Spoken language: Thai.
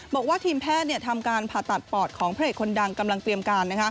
บอกว่าทีมแพทย์ทำการผ่าตัดปอดของพระเอกคนดังกำลังเตรียมการ